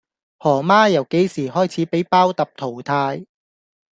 何媽由幾時開始俾包揼淘汰?